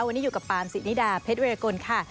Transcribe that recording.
วันนี้อยู่กับปามสินิดาเพชรเวรกุลค่ะ